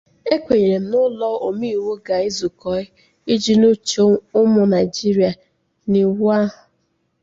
E kwenyere m na Ụlọ Omeiwu ga-ezukọ iji nụ uche ụmụ Naijiria n'iwu ahụ